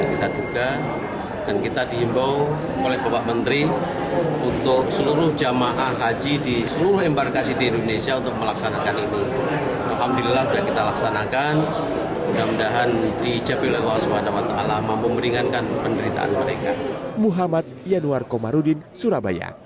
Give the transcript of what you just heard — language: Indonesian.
mudah mudahan diijabilah allah swt mempermengingankan penderitaan mereka